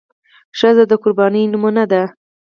ښځه د قربانۍ نمونه ده.